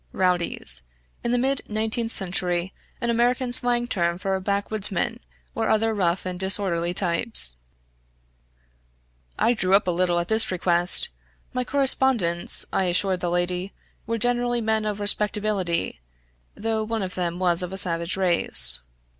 {rowdies = in the mid nineteenth century, an American slang term for backwoodsmen or other rough and disorderly types} I drew up a little at this request; my correspondents, I assured the lady, were generally men of respectability, though one of them was of a savage race.